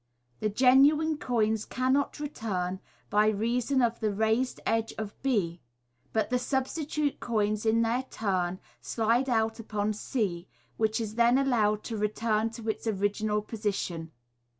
The genuine coins cannot return, by reason of the raised edge of h ; but tfie substitute coins in their turn slide out upon c, which is then allowed to return to its original position.